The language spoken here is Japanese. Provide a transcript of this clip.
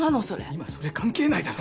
今それ関係ないだろ。